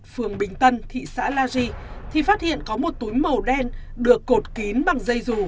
phường bình tân thị xã la di thì phát hiện có một túi màu đen được cột kín bằng dây rù